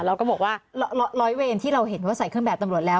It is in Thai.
เราก็บอกว่าร้อยเวรที่เราเห็นว่าใส่เครื่องแบบตำรวจแล้ว